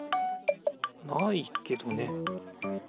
ないけどね。